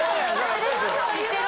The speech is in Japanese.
・知ってる！